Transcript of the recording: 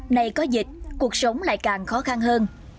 nay có dịch cuộc sống lại càng khó khăn hơn